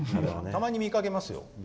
たまに見かけますよ。